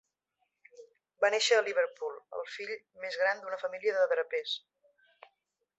Va néixer a Liverpool, el fill més gran d'una família de drapers.